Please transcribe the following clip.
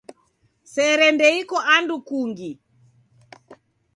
Sere ndeiko andu kungi.